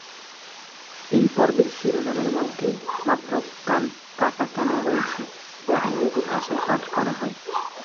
এই পর্বের শিরোনামের মধ্যে মাত্র কাটাকানা রয়েছে, যা ইংরেজি ভাষায় পাঠ করা হয়।